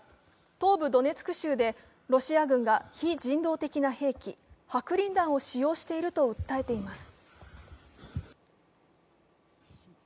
東部ドネツク州でロシア軍が非人道的な兵器、白リン弾を使用していると訴えています。